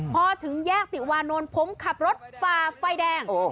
พอถึงแยกติวานนท์ผมขับรถฝ่าไฟแดง